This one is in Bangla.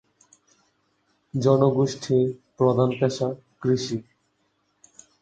জনগোষ্ঠীর প্রধান পেশা কৃষি।